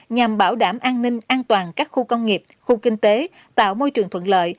nhằm bảo đảm an ninh an toàn các khu công nghiệp khu kinh tế tạo môi trường thuận lợi